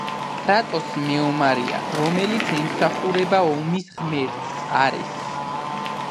კრატოსი მეომარია, რომელიც ემსახურება ომის ღმერთს, არესს.